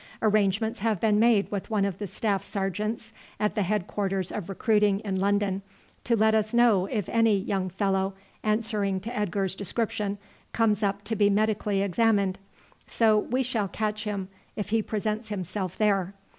Arrangements have been made with one of the staff sergeants at the head quarters of recruiting in London to let us know if any young fellow answering to Edgar's description comes up to be medically examined. So we shall catch him if he presents himself there.